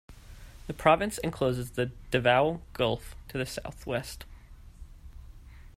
The province encloses the Davao Gulf to the southwest.